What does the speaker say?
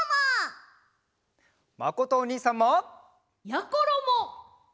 まことおにいさんも！やころも！